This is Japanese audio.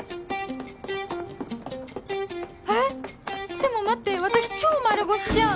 でも待って私超丸腰じゃん